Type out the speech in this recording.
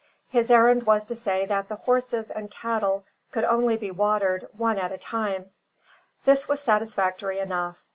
His errand was to say that the horses and cattle could only be watered one at a time. This was satisfactory enough.